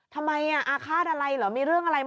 ทำไมอะอาฆาตอะไรเหรอมีเรื่องอะไรเหรอ